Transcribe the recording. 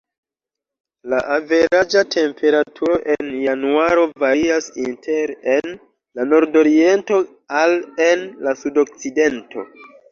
La averaĝa temperaturo en januaro varias inter en la nordoriento al en la sudokcidento.